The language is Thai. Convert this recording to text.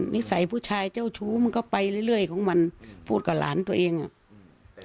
นิสัยผู้ชายเจ้าชู้มันก็ไปเรื่อยเรื่อยของมันพูดกับหลานตัวเองอ่ะอืม